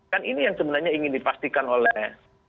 kan ini yang sebenarnya ingin dipastikan oleh